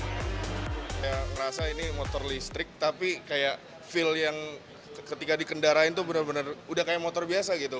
saya merasa ini motor listrik tapi kayak feel yang ketika dikendarain tuh bener bener udah kayak motor biasa gitu